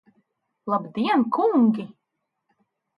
Labdien, kungi!